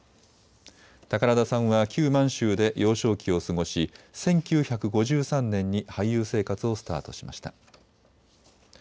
宝田さんは旧満州で幼少期を過ごし１９５３年に俳優生活をスタートしました。